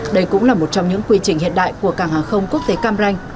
đây cũng là một trong những quy trình hiện đại của cảng hàng không quốc tế cam ranh